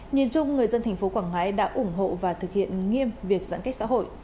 nhìn chung người dân thành phố quảng ngãi đã ủng hộ và thực hiện nghiêm việc giãn cách xã hội